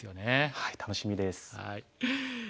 はい楽しみです。